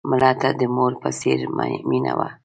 مړه ته د مور په څېر مینه وه